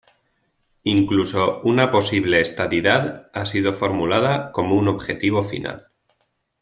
Incluso una posible estadidad ha sido formulada como un objetivo final.